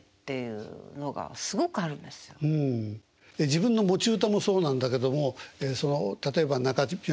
自分の持ち歌もそうなんだけども例えば中島みゆき